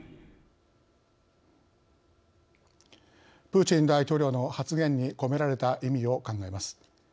プーチン大統領の発言に込められた意味を考えます。